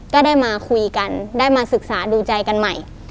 ก็ได้มาคุยกันได้มาศึกษาดูใจกันใหม่